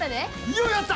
ようやった！